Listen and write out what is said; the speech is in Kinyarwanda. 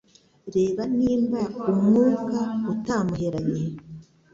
Reba nimba umwuka utamuheranye.